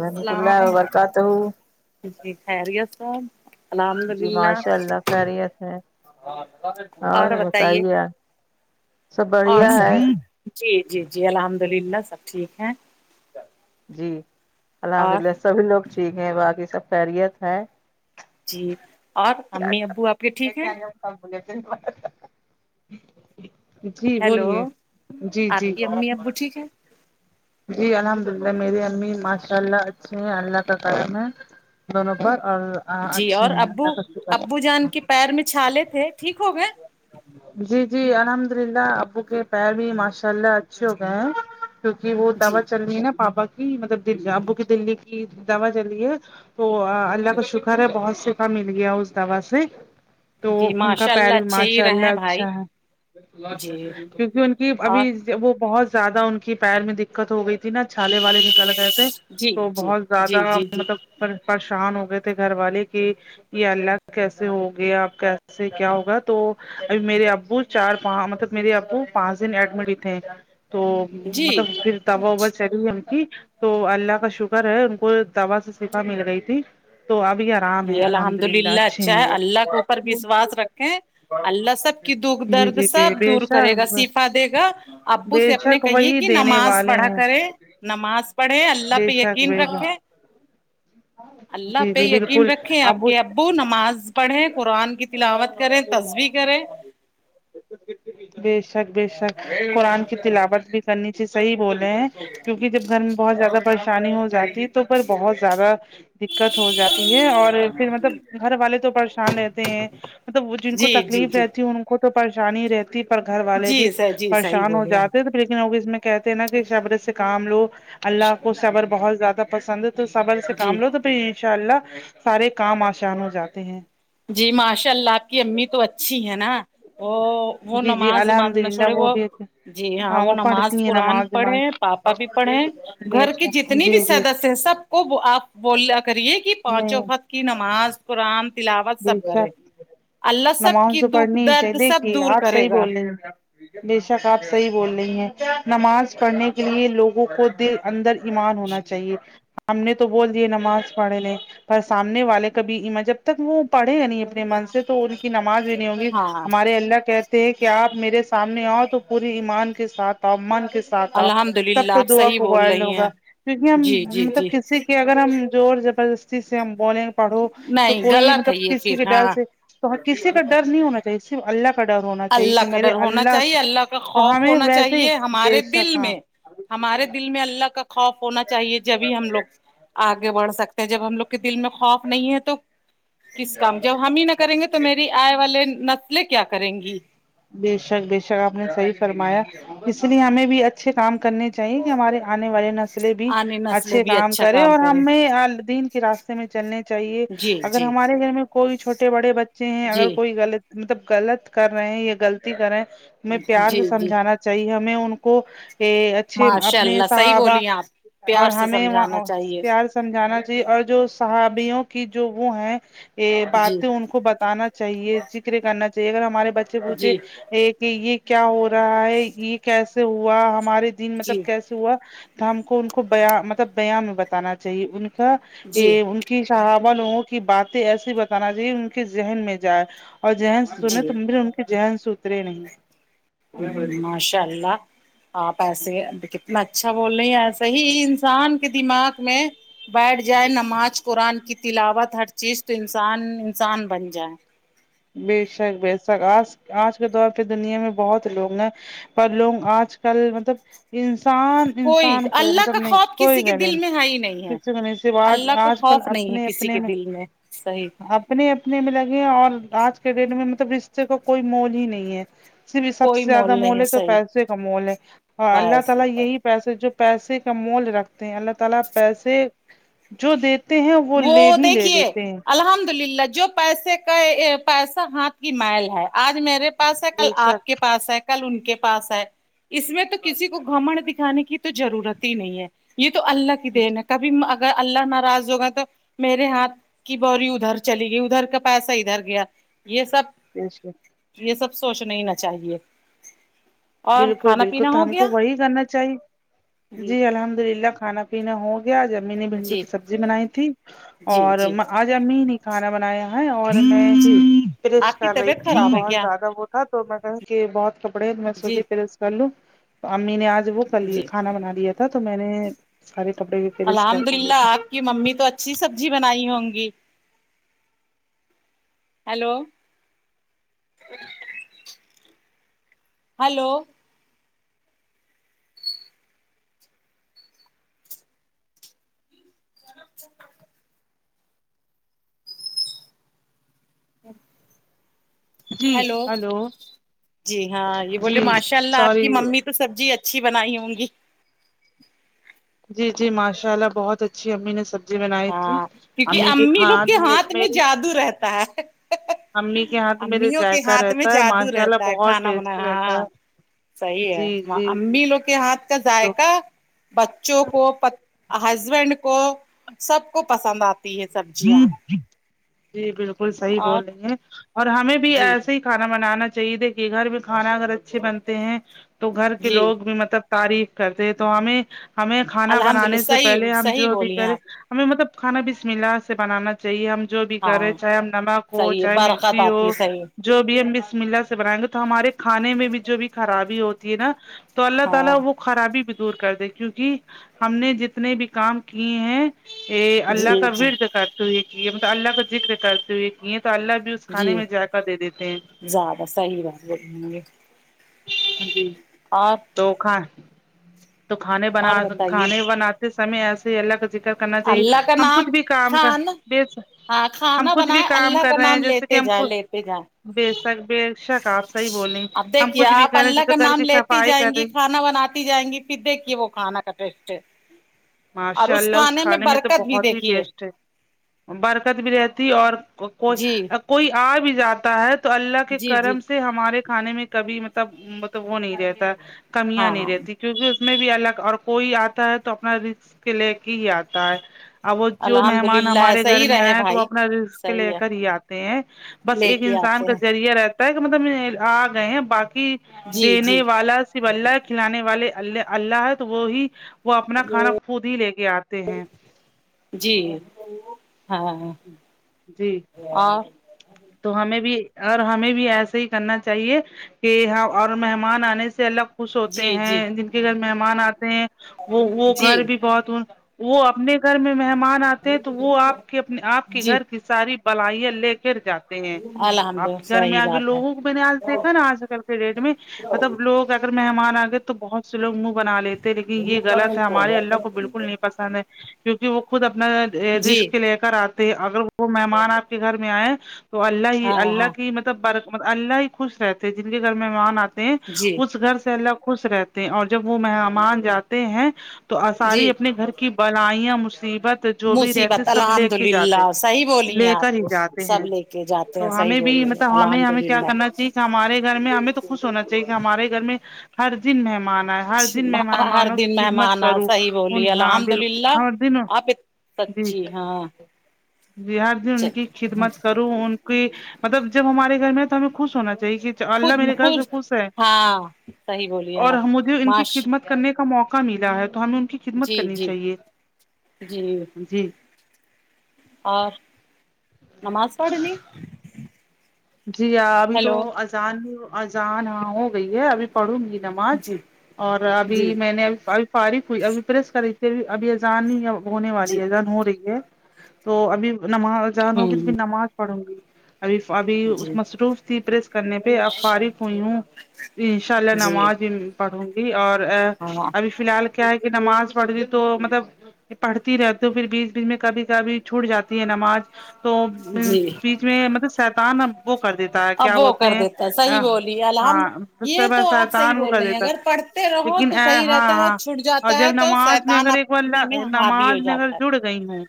رحمت اللہ وبرکاتہ جی جی خیریت سب الحمد جی للہ ماشاء اللہ خیریت ہے اور بتائیے سب اور بڑھیا سب ہے ٹھیک جی جی جی الحمد للہ سب ٹھیک ہیں جی الحمد اور اللہ سبھی لوگ ٹھیک ہیں باقی سب خیریت ہے جی اور امی ابو آپ کے ٹھیک ہیں [unintelligible] جی ہیلو بولیے جی جی آپ کی امی ابو ٹھیک ہے جی الحمد اللہ میری امی ماشاء اللہ اچھے ہیں اللہ کا کارم ہے دونوں پر اور جی اچھے اور ہے ابو اللہ کا شکر ہے ابو جان کے پیر میں چھالے تھے ٹھیک ہو گئے جی جی الحمد للہ ابو کے پیر بھی ماشاء اللہ اچھے ہو گئے ہیں کیونکی وہ جی دوا چل رہی ہے نا پاپا کی مطلب ابو کی دللی کی دوا چل رہی ہے تو اللہ کا شکر ہے بہت شفا مل گیا اس دوا سے تو جی ان کا ماشاء اللہ پیرو اچھے ہی ماشاء رہے اللہ بھائی اچھا ہے جی کیونکی ان کی اور ابھی وہ بہت زیادہ ان پیر میں دقت ہو گئی تھی نا چھالے والے نکل گئے تھے جی تو جی بہت زیادہ جی جی جی مطلب پریشان ہو گئے تھے گھر والے کہ یے اللہ کیسے ہوگیا اب کیسے کیا ہو ا تو اب میرے ابو چار مطلب میرے ابو پانچ دن ایڈمٹ ہی تھے تو جی مطلب پھر دوا ووا چلی ان کی تو اللہ کا شکر ہے ان کو دوا سے شفا مل گئی تھی تو ابھی آرام جی ہے الحمد للہ اچھے اچھا ہیں ہے وہ اللہ کے اوپر وشواس رکھیں اللہ سب کی دکھ جی درد جی جی سب بے دور شک کرے گا صفا دے گا ابو بے سے اپنے شک کہیے وہی کی دینے نماز والے پڑھا ہیں کرے نماز پڑھے اللہ بے پے شک یقین بے رکھے شک اللہ جی پہ جی بالکل یقین رکھیں آپ کے ابو نماز پڑھیں قرآن کی تلاوت کریں تصوی کریں بے شک بے شک قرآن کی تلاوت بھی کرنی چاہیے صحیح بولے ہیں کیونکی جب گھر میں بہت زیادہ پریشانی ہو جاتی پر بہت زیادہ دقت ہو جاتی ہے اور پھر مطلب گھر والے تو پرش پریش رہتے ہیں مطلب وہ جن کو جی جی تکلیف جی رہتی ہے ان کو تو پریشان ہی رہتی تی پر گھر والے بھی جی سر جی صحیح پریشان ہو بولے جاتے آپ تو لیکن افس میں کہتے ہیں نا کی صبر سے کام لو اللہ کو صبر بہت زیادہ پسند تو صبر سے جی کام لو تو بائی ان شاء اللہ سارے کام آسان ہو جاتے ہیں جی ماشاء اللہ آپ کی امی تو اچھی ہے نا او وہ جی جی نماز وماز الحمد نہ للہ چھوڑے وہ بھی جی ہاں وہ نماز پڑھتی ہیں قرآن نماز وماز پڑھے پاپا بھی پڑھے بے گھر کی شک جتنی بھی جی جی سدس ہے سب کو آپ بولا کریے کی نہیں پانچوں وقت کی نماز قرآن تلاوت بے سب کرے شک اللہ سب نماز کی تو دکھ پڑھنی ہی چاہیے درد سب دیکھیے دور آپ صحیح کرے گا بول رہی ہیں بے شک آپ صحیح بول رہی ہیں نماز پڑھنے کے لیے لوگوں کو دل اندر ایمان ہونا چاہیے ہم نے تو بول دیے نماز پڑھے لے پر سامنے والے کبھی ایما جب تک وہ پڑھے ہی نہیں اپنے من سے تو ان کی نماز بھی نہیں ہوگی ہاں ہمارے اللہ کہے تے ہیں کہ آپ میرے سامنے آؤ تو پورے ایمان کے ساتھ من کے ساتھ آتا الحمد تب للہ تو آپ دعا صحیح بول کوبائل رہی ہوگا ہیں کیونکہ ہم جی جی مطلب جی کسی کے اگر ہم زور زبردستی سے ہم بولیں پڑھو تو نہیں کوئی غلط ہے مطلب یہ کسی کے پھر ڈر ہاں سے تو کسی کا ڈر نہیں ہونا چاہیے صرف اللہ کا ڈر ہونا چاہیے کہ اللہ کا میرے ڈر ہونا چاہیے اللہ کا تو خوف ہمیں ہونا ویسے ہی چاہیے بے ہمارے شک دل ہاں میں ہمارے دل میں اللہ کا خوف ہونا چاہیے جبھی ہم لوگ آگے بڑھ سکتے ہیں جب ہم لوگ دل میں خوف نہیں ہے تو کس کام جب ہم ہی نہ کریں گے تو میری آئے والے نسلیں کیا کریں گی بے شک بے شک آپ نے صحیح فرمایا اس لیے ہمیں بھی اچھے کام کرنے چاہیے کہ ہمارے آنے والے نسلیں بھی آنے نسلیں اچھے بھی کام اچھا کرے اور کریں ہمیں ال دین کے راستے میں چلنے چاہیے جی اگر جی ہمارے گھر میں کوئی چھوٹے بڑے بچے ہیں جی اگر کوئی غلط مطلب غلط کر رہے ہیں یا غلطی کر رہے ہیں ہمیں پیار جی سے جی سمجھانا چاہیے ہمیں ان کو کہ اچھے ماشاء اپنے اللہ صحیح صحابہ بولی آپ اور پیار سے ہمیں سمجھانا وہ چاہیے پیار سے سمجھانا چاہیے اور جو صحابیوں کی جو وہ ہیں یے جی باتیں ان کو کو بتانا چاہیے ذکر کرنا چاہیے اگر ہمارے بچے پوچھے جی کی یے کیا ہو رہا ہے یے کیسے ہوا ہمارے دن جی مطلب کیسے ہوا تو ہم کو ان کو بیاں مطلب بیان میں بتانا چاہیے ان کا جی یے ان کی صحابہ لوگوں کی باتیں ایسی بتانا چاہیے ان کے ذہن میں جائے اور ذہن سے سنے تو جی پھر ان کے ذہن سے اترے نہیں ہمم ماشاء اللہ آپ ایسے کتنا اچھا بول رہے ہیں ایسے ہی انسان کے دماغ میں بیٹھ جائے نماز قرآن کی تلاوت ہر چیز تو انسان انسان بن جائے بے شک بے شک آج آج کے دور پے دنیا میں بہت لوگ نا پر لوگ آج کل مطلب انسان کوئی انسان کو اللہ مطلب کا نہیں خوف کوئی کسی کے ویلیو دل میں ہے ہی ہے نہیں [unintelligible] تو آج اللہ کا آج کل خوف نہیں ہے اپنے کسی اپنے کے میں دل صحیح اب اپنے اپنے میں لگے ہیں اور آج کے ڈیٹ میں مطلب رشتے کا کوئی مول ہی نہیں ہے سے بھی سب کوئی سے زیادہ نہیں مول ہے تو صحیح پیسے کا مول ہے اور اللہ بس تعالی بس یہی پیسے جو پیسے کا مول رکھتے ہیں اللہ تعالی پیسے جو دے وہ دیکھیے الحمد للہ جو پیسے کا پیسہ ہاتھ کی میل ہے آج میرے پاس ہے کل بے آپ کے شک پاس ہے کل ان کے پاس ہے اس میں تو کسی کو گھمنڈ دکھانے کی ضرورت ہی نہیں ہے یے تو اللہ کی دین ہے کبھی اگر اللہ ناراض ہوگا تو تو میرے ہاتھ کی بوری ادھر چلی گئی ادھر کا پیسہ ادھر گیا یے سب بے شک یے سب سوچنا ہی نہ چاہیے اور بالکل کھانا بالکل پینا تو ہو ہم گیا کو وہی کرنا چاہیے جی الحمد للہ کھانا پینا ہو گیا آج امی نے بھنڈی جی کی سبزی بنائی تھی جی اور جی آج امی نے کھانا بنایا ہے اور جی میں پریش آپ کی کر رہی طبیعت تھی خراب ہے بہت کیا زیادہ وہ ہاں تو میں کہا کی بہت کپڑے ہیں میں جی سوچی پیرس کر لوں تو امی نے آج وہ کر لیے جی کھانا بنا لیا تھا تو میں نے سارے کپڑے بھی پیرس کر الحمد دیے للہ تھے آپ کی ممی تو اچھی سبزی بنائی ہوں گی ہیلو ہلو اچ جی ہیلو ہلو جی ہاں یے بولیے جی ماشاء اللہ آپ کی سوری ممی تو سبجی اچھی بنائی ہوں گی جی جی ماشاء اللہ بہت اچھی اممی نے سب ہاں کیونکی امی لوگ کے ہاتھ میں میری جادو رہتا ہے امی کے ہاتھ میرے امیوں کے ذائقہ ہاتھ میں رہتا ہے جادو ماشاء اللہ رہتا ہے بہت کھانا ٹیسٹ بنانا رہتا ہاں ہے صحیح ہے جی ما جی جی اممی لوگ کے ہاتھ کا تو ذائقہ بچوں کو پت ہسبینڈ کو سب کو پسند آتی ہے سبجیہ جی بالکل صحیح بول رہی ہیں اور ہمیں بھی جی ایسا ہی کھانا بنانا چاہیے دیکھیے گھر میں کھانا اگر اچھے بنتے ہیں تو گھر کے جی لوگ بھی مطلب تعریف کرتے ہیں تو ہمیں ہمیں کھانا الحمد للہ بنانے سے صحیح پہلے ہم صحیح جو بھی بولی ہیں کریں آپ ہمیں مطلب کھانا بسم اللہ اسے بنانا چاہیے ہم جو بھی کریں ہاں چاہے ہم نمک ہو صحیح ہے چاہے برکت مرچی آتی ہے ہو صحیح جو بھی ہم بسم اللہ سے بنائیں گے تو ہمارے کھانے میں بھی جو بھی خرابی ہوتی ہے نا تو اللہ تالا ہاں وہ خرابی بھی دور کر دے کیونکی ہم نے جتنے بھی کام کیے ہیں یے اللہ جی کا جی ورد کرتے ہوئے کی ہے مطلب اللہ کا ذکر کرتے ہوئے کیے تو اللہ بھی اس جی کھانے میں ذائقہ دے دیتے ہیں زیادہ صحیح بات بولیں گے جی اور تو کھا تو کھانے بنا اور بتائیے کھانے بنات سمے ایسے ہی اللہ کا ذکر کرنا چاہیے اللہ کا ہم نام کچھ بھی کام کا کھانا بے شک ہاں کھانا بنائے اللہ کا نام کہ لیتے ہم جائے کچھ لیتے جائے بے شک بے شک آپ صحیح بولیں اب ہم دیکھیے کچھ بھی آپ کریں اللہ جیسے کا گھر نام کی لیتی صفائی جائیں کر گی رہی کھانا بناتی جائیں گی پھر دیکھیے وہ کھانا کا ٹیسٹ اور ماشاء اللہ اس کھانے میں تو برکت بھی بہت ہی دیکھیے ٹیسٹ ہے برکت بھی رہتی اور کو کوئی جی کوئی آ بھی جاتا ہے تو اللہ کے جی جی کرم سے ہم ہمارے کھانے میں کبھی مطب مطب وہ نہیں رہتا کمیاں نہیں ہاں رہتی کیونکہ اس میں بھی الگ اور کوئی آتا ہے تو اپنا ریزق لے کے ہی آتا ہے اب وہ جو الحمد مہمان للہ ہمارے گھر صحیح میں رہے آئے تو وہ بھائی اپنا ریزق لے صحیح ہے کر ہی آتے ہیں بس لے ایک کے انسان آتے کا ہیں ذریعہ رہتا ہے کہ مطلب آ گئے ہیں باقی جی دینے جی والا صرف اللہ کے کھلانے والے ال اللہ ہے تو وہی وہ اپنا کھانا خود ہی لے کے آتے ہیں جی ہاں جی اور تو ہمیں بھی اور ہمیں بھی ایسے ہی کرنا چاہیے کہ ہاں اور مہمان آنے سے اللہ خوش ہوتے جی ہیں جی جن کے گھر مہمان آتے ہیں وہ وہ جی گھر بھی بہت وہ اپنے گھر میں مہمان آتے ہیں تو وہ آپ کے اپنے اپ کے جی گھر کے ساری بلائیاں لے کر جا تے ہے الحمد آپ للہ کے گھر میں صحیح آگے بات ہے لوگوں کو میں نے آج دیکھا نا آج کل کے ڈیٹ میں مطلب لوگ اگر مہمان آ گئے تو بہت سے لوگ منہ بنا لیتے لیکن یے غلط ہے ہمارے اللہ کو بالکل نہیں پسند ہے کیونکی وہ خود اپنا جی رسک لے کر آتے اگر وہ مہمان آپ کے گھر میں آئے تو اللہ ہی ہاں اللہ ہاں کی مطلب بر اللہ ہی خوش رہتے جن کے گھر مہمان آت تے ہے جی اس گھر سے اللہ خوش رہتے ہیں اور جب وہ مہمان جاتے ہیں تو آ جی ساری اپنے گھر کی بلائیاں مصیبت جو بھی رہتے مصیبت سب لے الحمد کے جاتے للہ صحیح بولی ہیں لے آپ کر ہی جاتے ہیں سب لے کے جاتے تو ہیں صحیح ہمیں بھی بولیے مطلب ہمیں الحمد ہمیں کیا للہ کرنا چاہیے ہمارے گھر میں ہمیں تو خوش ہونا چاہیے کہ ہمارے گھر میں ہر دن مہمان آئے ہر دن میں ہر مہمانوں دن کی خدمت مہمان آیے کروں صحیح بولی ان ہاں الحمد بالکل للہ ہر دن آپ جی سچی ہاں جی ہر ان کی چلیے خدمت کر ان کی مطلب جب ہمارے گھر میں تو ہمیں خوش ہونا چاہیے کی اللہ خود میرے گھر خود سے خوش ہے ہاں صحیح بولیے اور اللہ حمودی ان کی معاش خدمت کرنے کا موقع ملا ہے تو ہمیں ان کی خدمت جی کرنی جی چاہیے جی جی اور نماز پڑھلی جی ہاں ابھی تو اذان اذان ہو گئی ہے ابھی پڑھوں گی نماز جی اور ابھی جی میں نے الف فارغ ہوئی اب پریس کری تھی ابھی اذان ہی ہونے والی جی ہے اذان ہو رہی ہے تو ابھی نماز اذان ہوں ہوگی تو پھر نماز پڑھوں گی ابھی جی مصروف تھی پریس کرنے پے اب فارغ ہوئی ہوں ان شاء اللہ جی نماز پڑھوں گی اور آ ہاں ابھی فی الحال کیا ہے کی نماز پڑھ ہوں گی تو مطلب پڑھتی رہتی پھر بیچ بیچ میں کبھی کبھی چھوٹ جاتی ہے نماز تو جی بیچ میں مطلب شیتان اب وہ کر دے تا ہے کیا اب وہ بولتے کر ہیں دیتا صحیح بولی ہاں الحمد اس سے یہ بس تو آپ صحیح شیتان وہ بول کر رہے ہیں دیتا اگر پڑھتے رہو لیکن تو ہاں صحیح رہتا ہے ہاں چھٹ اور جاتا ہے جب تو نماز میں شیطان اگر ایک بار اپنے میں حاوی نماز ہو میں اگر جاتا جڑ گئی ہوں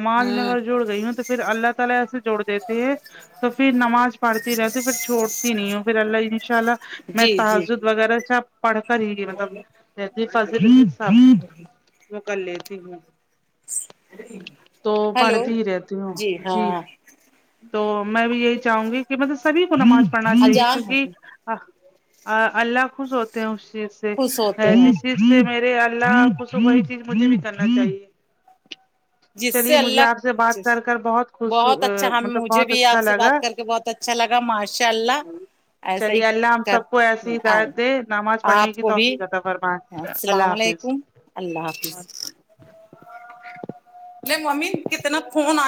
ہے میں ہوں اگر جوڑ گئی ہوں تو پھر اللہ تعالی ایسے جوڑ دیتے ہیں تو پھر نماز پڑھتی رہتی پھر چھوڑتی نہیں ہوں پھر اللہ انشاء اللہ میں جی جی تہجد وغیرہ اچھا پڑکر ہی مطلب رہتی فضیلت کے ساتھ وہ کر لیتی ہوں تو ہیلو پڑھتی ہی رہتی ہوں جی تو میں بھی یہی چاہوں گی کی مطلب سبھی کو نماز پڑھنا چاہیے اجان کیونکی آ اللہ خوش ہوتے ہیں اس چیز سے خوش ہوتے ہیں جس چیز میرے اللہ خوش ہو وہی چیز مجھے بھی کرنا چاہیے جس سے چلیے مجھے اللہ آپ سے بات کر کر بہت خوش مطلب مجھ بہت بھی اچھا آپ سے لگا بات کر کے بہت اچھا لگا ماشاء اللہ ایسا ہی چلیے اللہ ہم کر سب کو ایسی ہدایت دے نماز پڑھنے آپ کی کو بھی توفیق عطا فرمائے السلام اللہ حافظ علیکم اللہ حافظ لے ممی کتنا فون آیا